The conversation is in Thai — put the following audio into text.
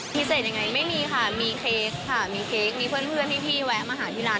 เสร็จยังไงไม่มีค่ะมีเค้กค่ะมีเค้กมีเพื่อนพี่แวะมาหาที่ร้าน